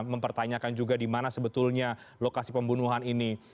mempertanyakan juga di mana sebetulnya lokasi pembunuhan ini